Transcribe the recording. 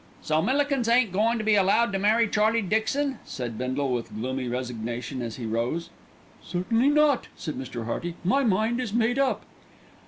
"So Millikins ain't goin' to be allowed to marry Charlie Dixon?" said Bindle with gloomy resignation as he rose. "Certainly not," said Mr. Hearty. "My mind is made up."